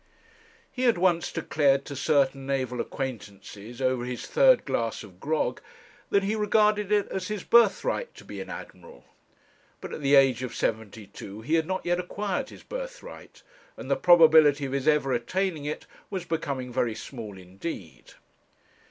He had once declared to certain naval acquaintances, over his third glass of grog, that he regarded it as his birthright to be an Admiral; but at the age of seventy two he had not yet acquired his birthright, and the probability of his ever attaining it was becoming very small indeed.